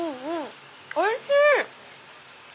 おいしい！